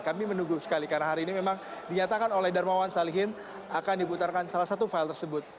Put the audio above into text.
kami menunggu sekali karena hari ini memang dinyatakan oleh darmawan salihin akan diputarkan salah satu file tersebut